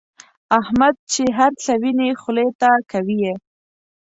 احمد چې هرڅه ویني خولې ته کوي یې.